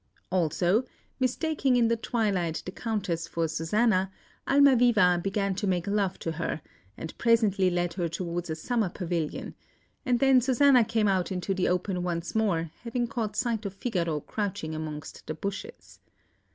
Also, mistaking in the twilight, the Countess for Susanna, Almaviva began to make love to her, and presently led her towards a summer pavilion; and then Susanna came out into the open once more, having caught sight of Figaro crouching amongst the bushes.